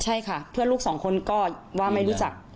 ใช่ค่ะเพื่อนลูกสองคนก็ว่าไม่รู้จัก